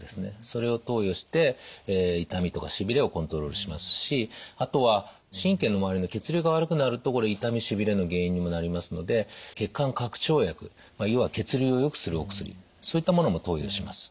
それを投与して痛みとかしびれをコントロールしますしあとは神経の周りの血流が悪くなると痛みしびれの原因にもなりますので血管拡張薬要は血流をよくするお薬そういったものも投与します。